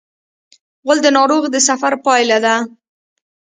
غول د ناروغ د سفر پایله ده.